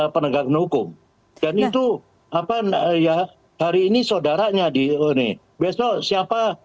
penegakan hukum dan itu apa ya hari ini saudaranya di ini besok siapa